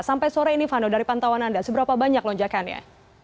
sampai sore ini vano dari pantauan anda seberapa banyak lonjakannya